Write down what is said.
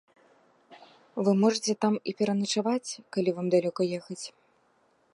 Вы можаце там і пераначаваць, калі вам далёка ехаць.